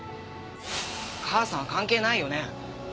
達也：母さんは関係ないよね？